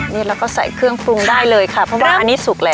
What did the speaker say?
นี่เราก็ใส่เครื่องปรุงได้เลยค่ะเพราะว่าอันนี้สุกแล้ว